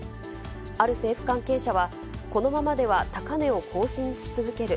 ある政府関係者は、このままでは高値を更新し続ける。